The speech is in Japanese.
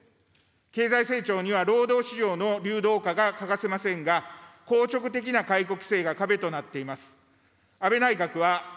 経済成長には労働市場の流動化が欠かせませんが、硬直的な解雇規制が壁となっています。